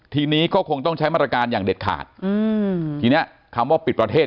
ทีนี้ก็คงต้องใช้มาตรการอย่างเด็ดขาดอืมทีเนี้ยคำว่าปิดประเทศ